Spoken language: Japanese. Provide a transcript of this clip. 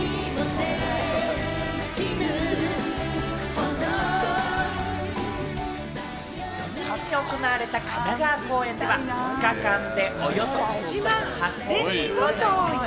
この日行われた神奈川公演では２日間で１万８０００人を動員。